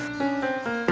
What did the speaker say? ini memang sangat berharga